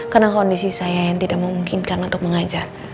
karena kondisi saya yang tidak memungkinkan untuk mengajar